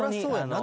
何？